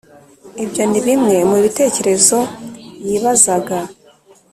Ibyo ni bimwe mu bitekerezo yibazaga